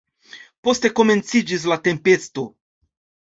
Poste komenciĝis la tempesto.